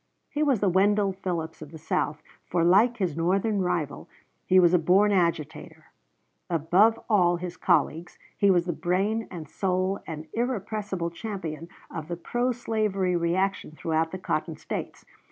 He was the Wendell Phillips of the South, for, like his Northern rival, he was a born agitator. Above all his colleagues, he was the brain and soul and irrepressible champion of the pro slavery reaction throughout the Cotton States.